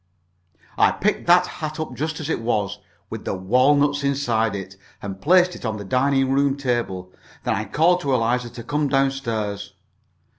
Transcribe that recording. I picked that hat up just as it was, with the walnuts inside it, and placed it on the dining room table. Then I called to Eliza to come down stairs.